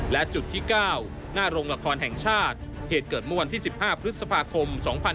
และจุดที่๙หน้าโรงละครแห่งชาติเหตุเกิดเมื่อวันที่๑๕พฤษภาคม๒๕๕๙